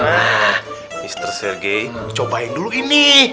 nah mister sergei cobain dulu ini